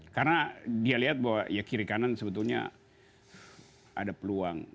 karena dia lihat bahwa ya kiri kanan sebetulnya ada peluang